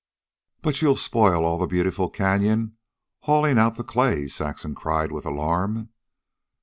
"But you'll spoil all the beautiful canyon hauling out the clay," Saxon cried with alarm.